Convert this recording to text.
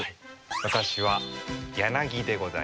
私はヤナギでございます。